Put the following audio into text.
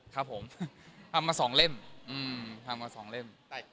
ครับผมทำมาสองเล่ม